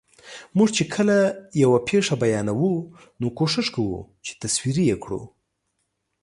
موږ چې کله یوه پېښه بیانوو، نو کوښښ کوو چې تصویري یې کړو.